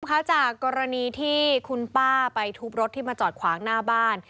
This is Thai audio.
คุณผู้ชมคะจากกรณีที่คุณป้าไปทุบรถที่มาจอดขวางหน้าบ้าน